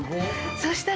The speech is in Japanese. そしたら。